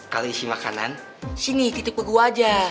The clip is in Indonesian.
kalo isi makanan sini titik pegu aja